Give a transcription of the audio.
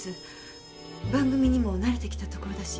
番組にも慣れて来たところだし。